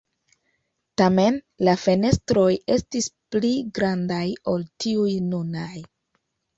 Tamen la fenestroj estis pli grandaj ol tiuj nunaj.